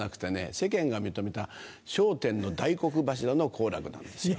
世間が認めた『笑点』の大黒柱の好楽なんですよ。